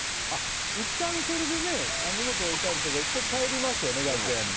いったん、それで荷物置いたりとかして１回帰りますよね、楽屋に。